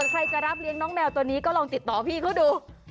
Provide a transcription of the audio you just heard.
ใครจะรับเลี้ยงน้องแมวตัวนี้ก็ลองติดต่อพี่เขาดู